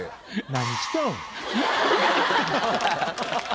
「何しとん⁉」。